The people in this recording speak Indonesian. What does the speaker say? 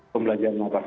pembelajaran atas adeh